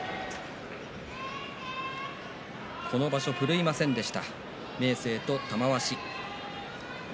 この場所、振るいませんでした明生と玉鷲。